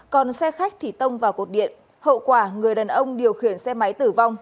còn xe khách thì tông vào cột điện hậu quả người đàn ông điều khiển xe máy tử vong